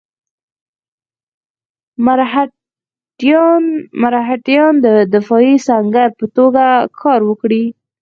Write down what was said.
مرهټیان د دفاعي سنګر په توګه کار ورکړي.